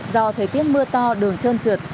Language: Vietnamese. do thời tiết mưa to đường trơn trượt